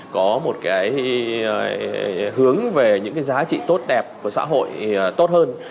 có một hướng về những giá trị tốt đẹp của xã hội tốt hơn